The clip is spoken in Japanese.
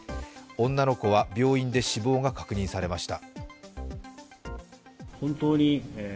女の子は病院で死亡が確認されました。